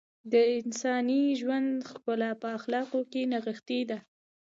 د انساني ژوند ښکلا په اخلاقو کې نغښتې ده .